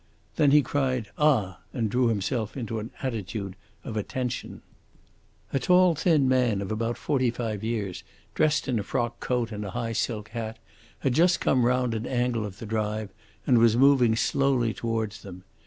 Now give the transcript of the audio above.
Then he cried, "Ah!" and drew himself into an attitude of attention. A tall, thin man of about forty five years, dressed in a frock coat and a high silk hat, had just come round an angle of the drive and was moving slowly towards them.